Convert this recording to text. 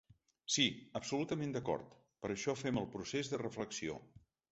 Sí, absolutament d’acord, per això fem el procés de reflexió.